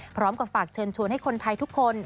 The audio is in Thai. พร้อมกับฝากเชิญชวนให้คนไทยทุกคน